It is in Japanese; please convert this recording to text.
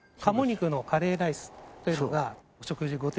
鴨肉のカレーライスというのが。